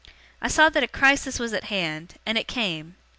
I saw that a crisis was at hand, and it came.